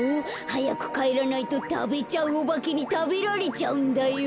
はやくかえらないとたべちゃうおばけにたべられちゃうんだよ。